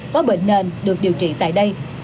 có bệnh nền được điều trị tại đây